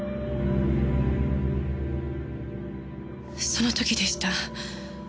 その時でした。